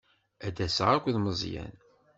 Ad d-aseɣ akked Meẓyan.